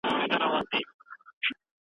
چي ډېر ژور اجتماعي مفهوم یې